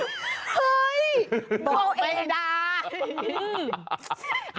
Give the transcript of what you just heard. เฮ้ยบอกเองด่า